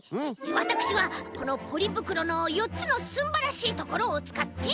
わたくしはこのポリぶくろのよっつのすんばらしいところをつかって。